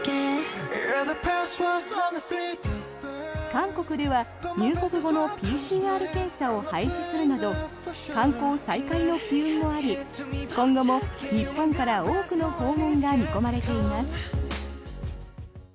韓国では入国後のＰＣＲ検査を廃止するなど観光再開の機運もあり今後も日本から多くの訪問が見込まれています。